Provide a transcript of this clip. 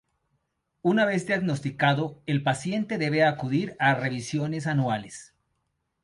Una vez diagnosticado, el paciente debe acudir a revisiones anuales.